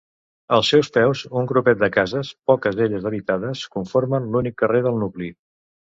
Als seus peus un grupet de cases, poques d'elles habitades, conformen l'únic carrer del nucli.